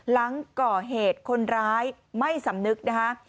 หลังก่อเหตุคนร้ายไม่สำนึกนะคะ